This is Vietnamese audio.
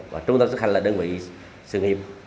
và trung tâm xã hội là đơn vị sự nghiệp